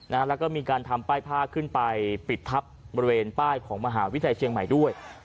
แล้วก็มีการทำป้ายผ้าขึ้นไปปิดทับบริเวณป้ายของมหาวิทยาลัยเชียงใหม่ด้วย